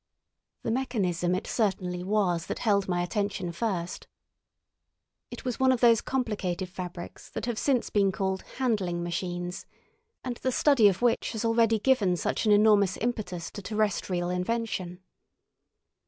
The mechanism it certainly was that held my attention first. It was one of those complicated fabrics that have since been called handling machines, and the study of which has already given such an enormous impetus to terrestrial invention.